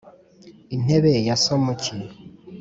intebe ya somuki,